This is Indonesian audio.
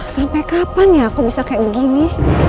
sampai kapan ya aku bisa kayak begini